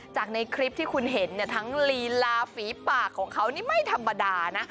ในคลิปที่คุณเห็นเนี่ยทั้งลีลาฝีปากของเขานี่ไม่ธรรมดานะ